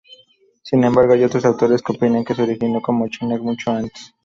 Sin embargo, hay otros autores que opinan que se originó en China mucho antes.